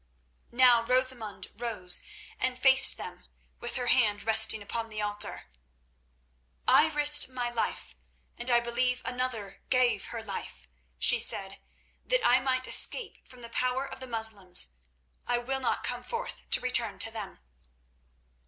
Now Rosamund rose and faced them, with her hand resting upon the altar. "I risked my life and I believe another gave her life," she said, "that I might escape from the power of the Moslems. I will not come forth to return to them."